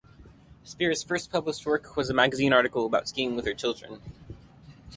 Speare's first published work was a magazine article about skiing with her children.